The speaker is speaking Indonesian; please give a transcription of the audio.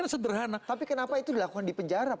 sederhana tapi kenapa itu dilakukan di penjara